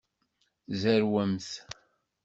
Zerwemt.